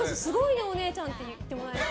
私、お姉ちゃんって言ってもらえた。